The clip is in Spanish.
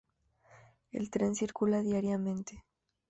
El tren circula diariamente.